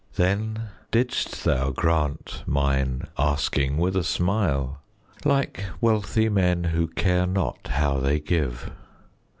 Then didst thou grant mine asking with a smile, Like wealthy men who care not how they give.